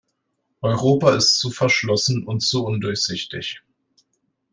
Europa ist zu verschlossen und zu undurchsichtig.